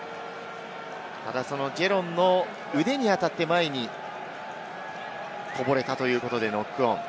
ただ、そのジェロンの腕に当たって前にこぼれたということでノックオン。